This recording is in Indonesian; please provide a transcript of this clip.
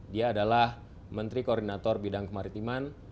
dia adalah menteri koordinator bidang kemaritiman